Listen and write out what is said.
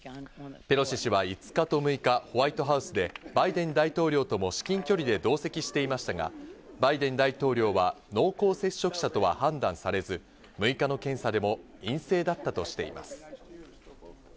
ペロシ氏は５日と６日、ホワイトハウスでバイデン大統領とも至近距離で同席していましたが、バイデン大統領は濃厚接触者とは判断されず、６日の検査でも陰性だったとしています。